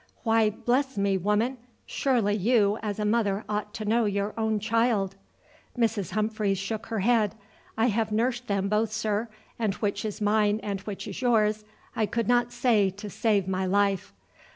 Why, bless me, woman, surely you as a mother ought to know your own child!" Mrs. Humphreys shook her head. "I have nursed them both, sir, and which is mine and which is yours I could not say to save my life."